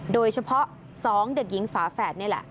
โดยเฉพาะ๒เด็กหญิงฝาแฝดนี่แหละ